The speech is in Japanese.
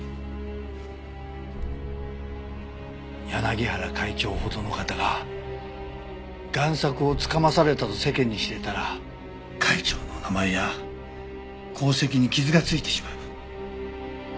柳原会長ほどの方が贋作をつかまされたと世間に知れたら会長の名前や功績に傷がついてしまう。